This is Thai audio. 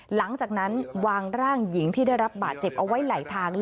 หลังจากนั้นวางร่างหญิงที่ได้รับบาดเจ็บเอาไว้ไหลทาง